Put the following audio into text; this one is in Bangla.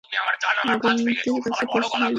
গোমতীর কাছে খোঁজ নিলে?